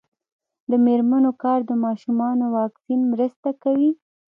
د میرمنو کار د ماشومانو واکسین مرسته کوي.